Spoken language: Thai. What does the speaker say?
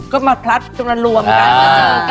ก็มาพลัดจนกันรวมกัน